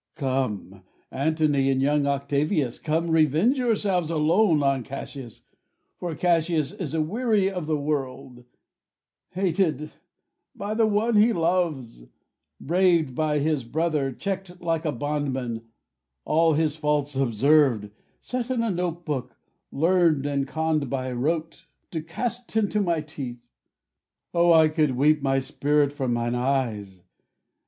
Come, Antony, and young Octavius, come, Revenge yourselves alone on Cassius, For Cassius is aweary of the world; Hated by one he loves; braved by his brother; Check'd like a bondman; all his faults observ'd, Set in a note book, learn'd, and conn'd by rote, To cast into my teeth. O, I could weep My spirit from mine eyes!